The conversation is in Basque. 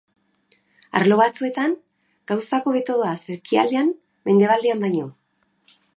Arlo batzuetan, gauzak hobeto doaz ekialdean mendebaldean baino.